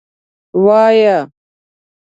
وایه.